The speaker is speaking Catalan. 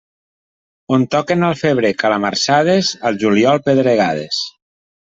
On toquen al febrer calamarsades, al juliol pedregades.